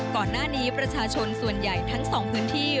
ก่อนหน้านี้ประชาชนส่วนใหญ่ทั้งสองพื้นที่